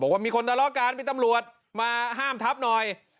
บอกว่ามีคนทะเลาะกันมีตำรวจมาห้ามทับหน่อย